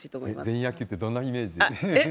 全員野球ってどんなイメージ？